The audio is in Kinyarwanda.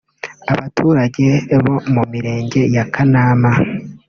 Abaturage bo mu Mirenge ya kanama